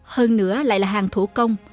hơn nữa lại là hàng thủ công